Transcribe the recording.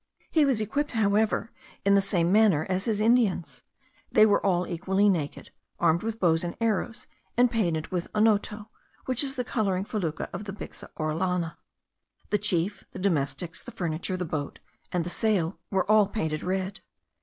He was equipped, however, in the same manner as his Indians. They were all equally naked, armed with bows and arrows, and painted with onoto, which is the colouring fecula of the Bixa orellana. The chief, the domestics, the furniture, the boat, and the sail, were all painted red.